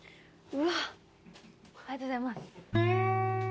うわっありがとうございます。